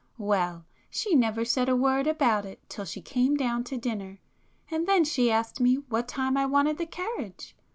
Well, she never said a word about it till she came down to dinner, and then she asked me what time I wanted the carriage.